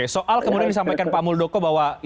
soal kemudian disampaikan pak muldoko bahwa